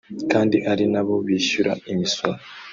kandi ari nabo bishyura imisoro